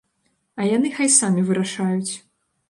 А яны хай самі вырашаюць.